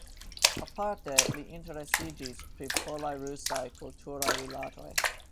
Aparte li interesiĝis pri polaj-rusaj kulturaj rilatoj.